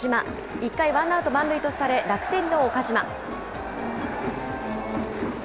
１回、ワンアウト満塁とされ、楽天の岡島。